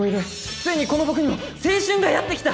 ついにこの僕にも青春がやってきた！